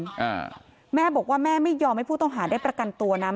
อ่าแม่บอกว่าแม่ไม่ยอมให้ผู้ต้องหาได้ประกันตัวนะ